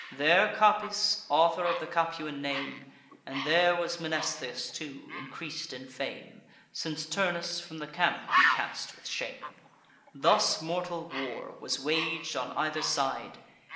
There Capys, author of the Capuan name, And there was Mnestheus too, increas'd in fame, Since Turnus from the camp he cast with shame. Thus mortal war was wag'd on either side.